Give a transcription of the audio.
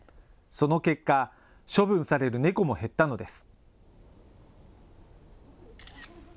その結果、処分される猫も減ったのです。